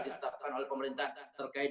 ditetapkan oleh pemerintah terkait